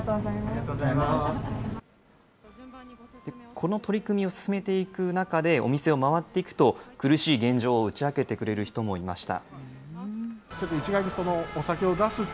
この取り組みを進めていく中でお店を回っていくと、苦しい現状を打ち明けてくれる人もいました。